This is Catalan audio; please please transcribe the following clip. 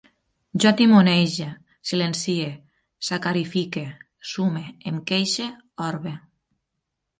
Jo timonege, silencie, sacarifique, sume, em queixe, orbe